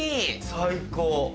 最高。